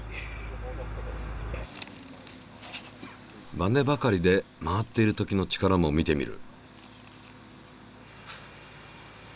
バネばかりで回っている時の力も見てみる。